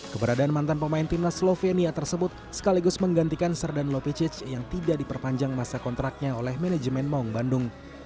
keberadaan mantan pemain timnas slovenia tersebut sekaligus menggantikan serdan lopicic yang tidak diperpanjang masa kontraknya oleh manajemen maung bandung